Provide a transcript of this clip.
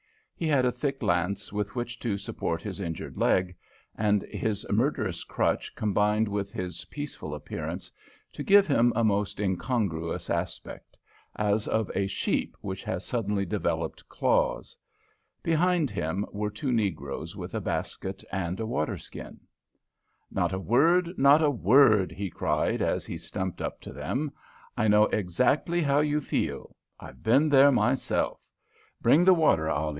He had a thick lance with which to support his injured leg, and this murderous crutch combined with his peaceful appearance to give him a most incongruous aspect, as of a sheep which has suddenly developed claws. Behind him were two negroes with a basket and a water skin. [Illustration: Not a word! Not a word! p255] "Not a word! Not a word!" he cried, as he stumped up to them. "I know exactly how you feel. I've been there myself. Bring the water, Ali!